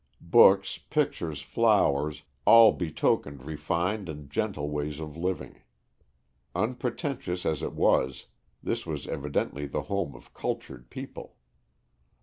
Books, pictures, flowers, all betokened refined and gentle ways of living. Unpretentious as it was, this was evidently the home of cultured people.